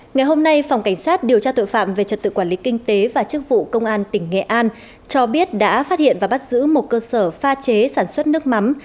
ngày hôm nay phòng cảnh sát điều tra tội phạm về trật tự quản lý kinh tế và chức vụ công an tỉnh nghệ an cho biết đã phát hiện và bắt giữ một cơ sở pha chế sản xuất nước mắm